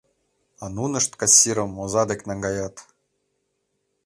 А нунышт кассирым оза дек наҥгаят.